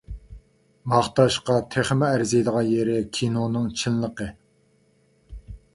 ماختاشقا تېخىمۇ ئەرزىيدىغان يېرى، كىنونىڭ چىنلىقى.